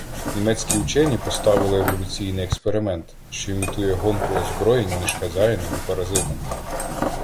Німецькі учені поставили еволюційний експеримент, що імітує гонку озброєнь між хазяїном і паразитом.